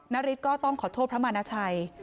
นาริสก็ต้องขอโทษพระมานาชัย